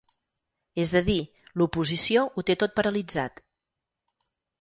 És a dir, l’oposició ho té tot paralitzat.